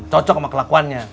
cocok sama kelakuannya